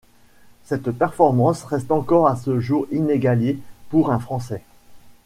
Cette performance reste encore à ce jour inégalée pour un français.